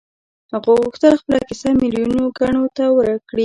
هغه غوښتل خپله کيسه ميليونو کڼو ته وکړي.